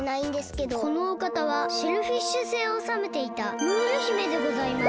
このおかたはシェルフィッシュ星をおさめていたムール姫でございます。